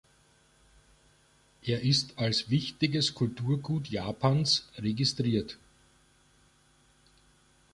Er ist als Wichtiges Kulturgut Japans registriert.